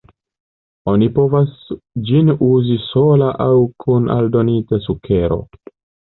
Oni povas ĝin uzi sola aŭ kun aldonita sukero.